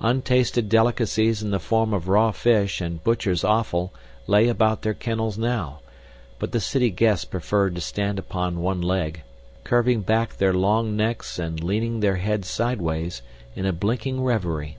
Untasted delicacies in the form of raw fish and butcher's offal lay about their kennels now, but the city guests preferred to stand upon one leg, curving back their long necks and leaning their heads sidewise, in a blinking reverie.